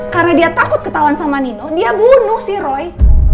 karena dia takut ketahuan sama nino dia bunuh si roy